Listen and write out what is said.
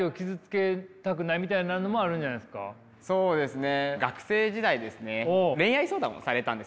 そうですね。